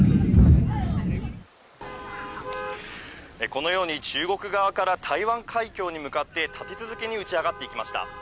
このように中国側から台湾海峡に向かって、立て続けに打ち上がっていきました。